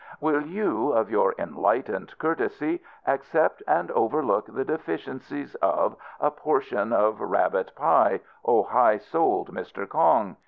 "Will you, of your enlightened courtesy, accept, and overlook the deficiencies of, a portion of rabbit pie, O high souled Mr. Kong?"